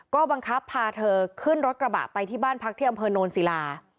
ก็บังคับพาเธอขึ้นรถกระบะไปที่บ้านพักที่อำเภอโนนศิลา